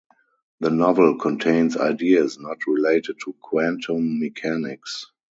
The novel contains ideas not related to quantum mechanics.